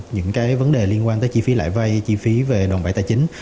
những vấn đề liên quan tới chi phí lãi vay chi phí về đồng bài tài chính